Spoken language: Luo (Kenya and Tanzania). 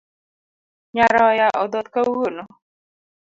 Nyaroya odhoth kawuono.